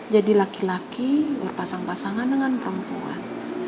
jadi laki laki berpasang pasangan dengan perempuan